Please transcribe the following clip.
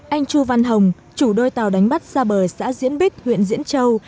anh chu văn hồng chủ đôi tàu đánh bắt xa bờ xã diễn bích huyện diễn châu